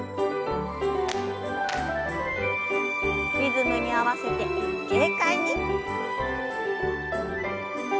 リズムに合わせて軽快に。